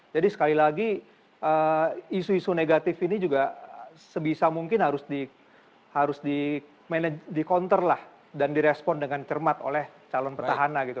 jadi sekali lagi isu isu negatif ini juga sebisa mungkin harus di counter lah dan di respon dengan cermat oleh calon petahana gitu